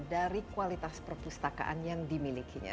dari kualitas perpustakaan yang dimilikinya